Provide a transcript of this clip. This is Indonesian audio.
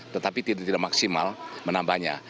tetapi tidak maksimal menambahnya